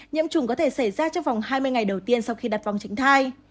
nhiễm trùng có thể xảy ra trong vòng hai mươi ngày đầu tiên sau khi đặt vòng tránh thai